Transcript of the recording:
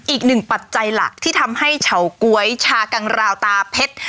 อีกหนึ่งปัจจัยหลักที่ทำให้เฉาก๊วยชากังลาวตราเพชร